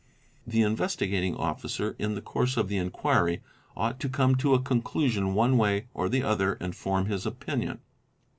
The Investigating Officer in the course of the inquiry ought to come to a conclusion one way or the other and form his opinion.